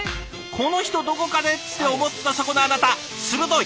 この人どこかで」って思ったそこのあなた鋭い！